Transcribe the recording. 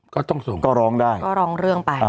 ก็ต้องสงไงก็ลองเรื่องไป